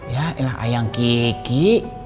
ya elah ayang kiki